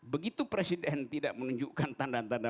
begitu presiden tidak menunjukkan tanda tanda